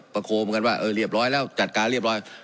โคมเหมือนกันว่าเออเรียบร้อยแล้วจัดการเรียบร้อย